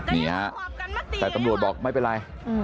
นี่ฮะแต่ตำรวจบอกไม่เป็นไร